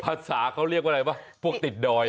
ภาษาเขาเรียกว่าอะไรป่ะพวกติดดอย